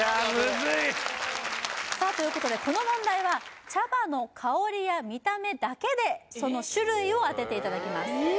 いさあということでこの問題は茶葉の香りや見た目だけでその種類を当てていただきます